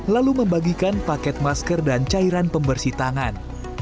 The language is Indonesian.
lalu membagikan paket masker dan cairan pembersih tangan